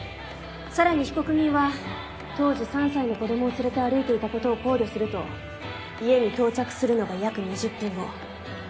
さらに被告人は当時３歳の子どもを連れて歩いていたことを考慮すると家に到着するのが約２０分後。